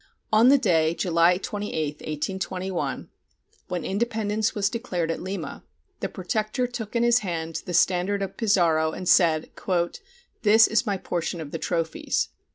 On the day (July 28, 1821) when independence was declared at Lima, the protector took in his hand the standard of Pizarro and said, "This is my portion of the trophies."